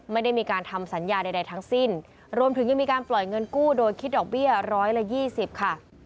ไม่ได้มีการทำสัญญาใดทั้งสิ้นรวมถึงยังมีการปล่อยเงินกู้โดยคิดดอกเบี้ยร้อยละยี่สิบค่ะ